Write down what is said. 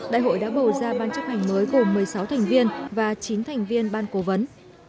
đại hội đã bầu ra ban chấp hành mới gồm một mươi sáu thành viên và chín thành viên ban cố vấn